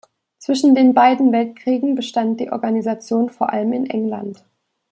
Zwischen den beiden Weltkriegen bestand die Organisation vor allem in England.